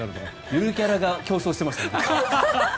ゆるキャラが競争してました。